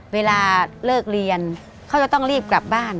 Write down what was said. เวลาเลิกเรียนเขาจะต้องรีบกลับบ้าน